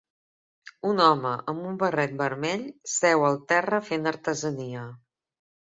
Un home amb un barret vermell seu al terra fent artesania.